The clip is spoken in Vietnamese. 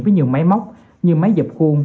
với nhiều máy móc như máy dập khuôn